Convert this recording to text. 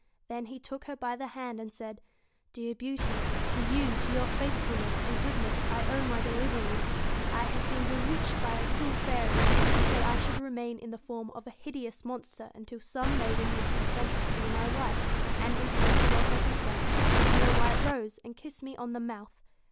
Then he took her by the hand, and said : 'Dear Beauty, to you, to your faithfulness and goodness, I owe my delivery. I have been be witched by a cruel fairy, who said I should remain in the form of a hideous monster until some maiden would consent to be my wife, and in token of her consent give me a white rose, and kiss me on the mouth.